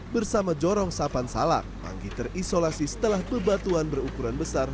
bersama jorong sapan salak manggi terisolasi setelah bebatuan berukuran besar